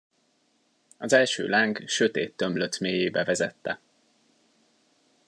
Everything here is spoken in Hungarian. Az első láng sötét tömlöc mélyébe vezette.